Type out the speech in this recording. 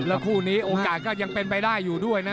แล้วคู่นี้โอกาสก็ยังเป็นไปได้อยู่ด้วยนะ